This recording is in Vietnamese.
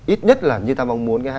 ít nhất là như ta mong muốn